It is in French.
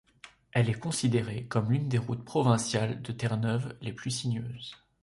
Elle est considérée comme l'une des routes provinciales de Terre-Neuve les plus sinueuses.